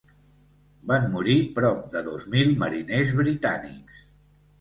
Van morir prop de dos mil mariners britànics.